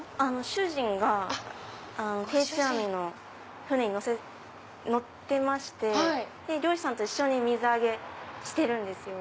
主人が定置網の船に乗ってまして漁師さんと一緒に水揚げしてるんですよ。